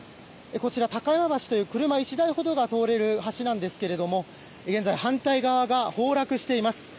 こちら、高山橋という車１台ほどが通れる橋なんですが現在、反対側が崩落しています。